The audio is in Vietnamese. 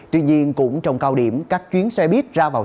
tuy nhiên cũng trong cao điểm các chuyến xe buýt ra vào